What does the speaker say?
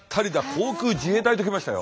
航空自衛隊と来ましたよ。